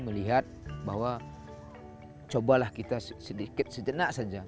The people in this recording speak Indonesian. melihat bahwa cobalah kita sedikit sejenak saja